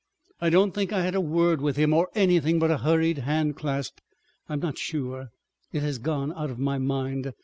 ... I don't think I had a word with him or anything but a hurried hand clasp. I am not sure. It has gone out of my mind.